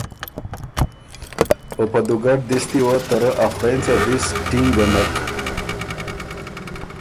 او په دُوګډ دستی وه ته رۀ ا خورېنڅه دِس ټینګه نک۔